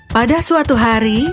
pada suatu hari